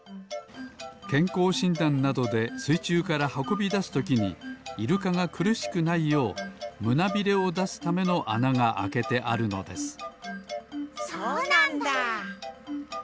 けんこうしんだんなどですいちゅうからはこびだすときにイルカがくるしくないようむなびれをだすためのあながあけてあるのですそうなんだ！